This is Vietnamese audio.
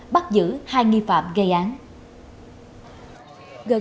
bắt giữ hai nghi phạm gây án